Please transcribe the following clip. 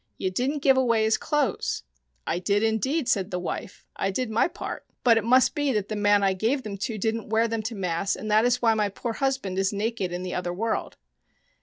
You didn't give away his clothes." " I did, indeed," said the wife. " I did my part, but John Connors and the Fairies ii it must be that the man I gave them to didn't wear them to mass, and that is why my poor husband is naked in the other world."